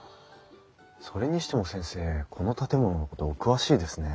それにしても先生この建物のことお詳しいですね？